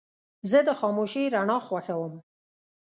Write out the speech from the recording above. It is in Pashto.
زه د خاموشې رڼا خوښوم.